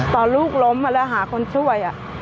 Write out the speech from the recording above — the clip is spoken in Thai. ตอนลูกล้มมาแล้วหาคนช่วย